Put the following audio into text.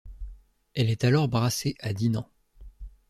Elle est alors brassée à Dinant.